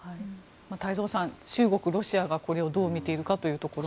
太蔵さん、中国、ロシアがこれをどう見ているか。